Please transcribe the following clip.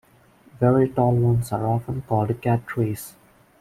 Very tall ones are often called cat trees.